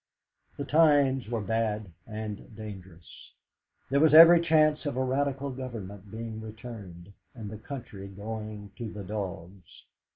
The times were bad and dangerous. There was every chance of a Radical Government being returned, and the country going to the dogs.